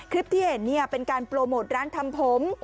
คลิปที่เห็นเป็นการโปรโมทร้านทำผม